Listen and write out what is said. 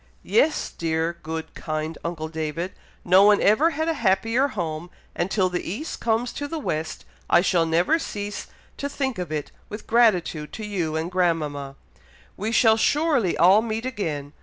"Yes, dear, good, kind uncle David! no one ever had a happier home; and till the east comes to the west, I shall never cease to think of it with gratitude to you and grandmama. We shall surely all meet again.